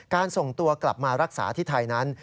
ส่งตัวกลับมารักษาที่ไทยนั้น